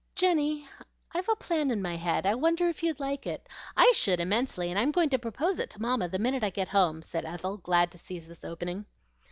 Jenny, I've a plan in my head. I wonder if you'd like it? I should immensely, and I'm going to propose it to Mamma the minute I get home," said Ethel, glad to seize this opening.